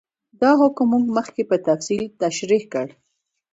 دا حکم موږ مخکې په تفصیل تشرېح کړ.